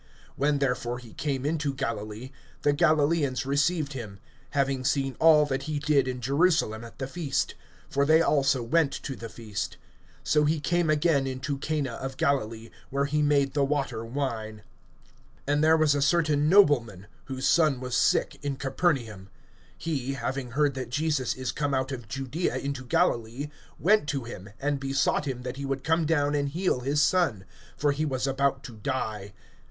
(45)When therefore he came into Galilee, the Galilaeans received him, having seen all that he did in Jerusalem at the feast; for they also went to the feast. (46)So he came again into Cana of Galilee, where he made the water wine. And there was a certain nobleman, whose son was sick, in Capernaum. (47)He, having heard that Jesus is come out of Judaea into Galilee, went to him, and besought him that he would come down and heal his son; for he was about to die.